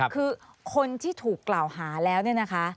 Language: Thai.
คือคนที่ถูกกล่าวหาแล้วเนี่ยนะคะ